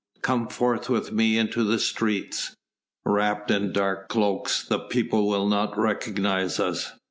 "Come forth with me into the streets. Wrapped in dark cloaks the people will not recognise us.